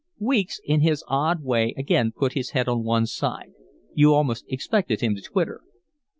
Weeks in his odd way again put his head on one side: you almost expected him to twitter.